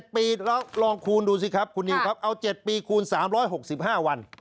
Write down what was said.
ปีแล้วลองคูณดูสิครับคุณนิวครับเอา๗ปีคูณ๓๖๕วัน